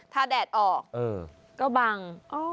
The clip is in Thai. ถ้าแดดออกก็บัง